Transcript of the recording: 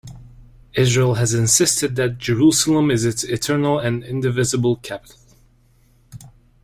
Israel has insisted that Jerusalem is its eternal and indivisible capital.